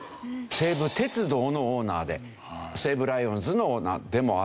西武鉄道のオーナーで西武ライオンズのオーナーでもあったと。